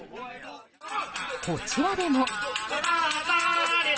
こちらでも。